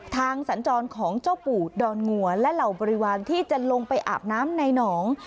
สัญจรของเจ้าปู่ดอนงัวและเหล่าบริวารที่จะลงไปอาบน้ำในหนอง